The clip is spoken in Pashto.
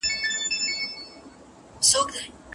د غریب غاښ په حلوا کي خېژي.